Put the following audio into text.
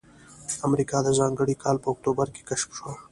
امریکا د ځانګړي کال په اکتوبر کې کشف شوه.